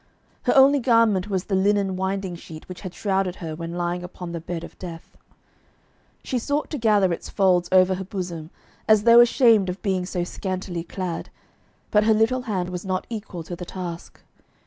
Her only garment was the linen winding sheet which had shrouded her when lying upon the bed of death. She sought to gather its folds over her bosom as though ashamed of being so scantily clad, but her little hand was not equal to the task.